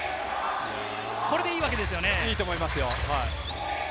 これでいいわけですよね？